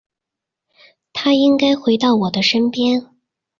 他应该回到我的身边